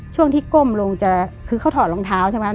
ช่วงที่ก้มลงจะคือเขาถอดรองเท้าใช่ไหม